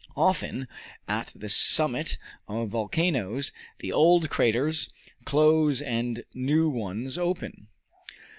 Often, at the summit of volcanoes, the old craters close and new ones open.